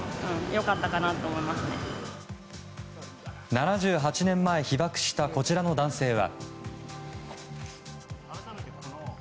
７８年前、被爆したこちらの男性は。